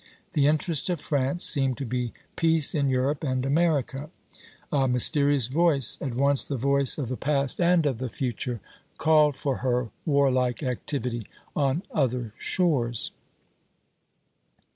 The interest of France seemed to be peace in Europe and America; a mysterious voice, at once the voice of the past and of the future, called for her warlike activity on other shores."